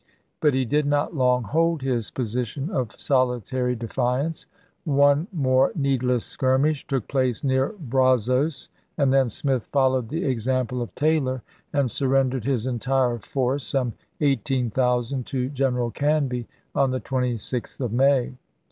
But he did not long hold his position of solitary defiance. One more needless skirmish took place near Brazos, and then Smith followed the example of Taylor, and surrendered his entire force, some eighteen thousand, to General Canby, on the 26th of May.